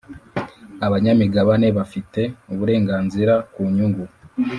Abanyamigabane bafite uburenganzira ku nyungu